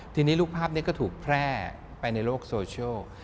ทีนี้รูปภาพนี้ก็ถูกแพร่ไปในโลกโซเชียล